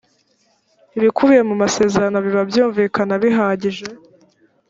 ibikubiye mu masezerano biba byumvikana bihagije